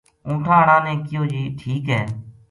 اونٹھاں ہاڑا نے کہیو جی ٹھیک ہے